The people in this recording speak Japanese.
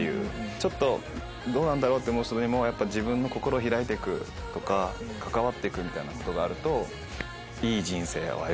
ちょっとどうなんだろうって思う人にもやっぱ自分の心開いて行くとか関わって行くみたいなことがあると。